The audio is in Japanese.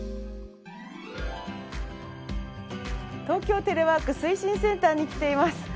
東京テレワーク推進センターに来ています。